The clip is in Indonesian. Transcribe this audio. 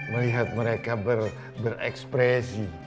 melihat mereka berekspresi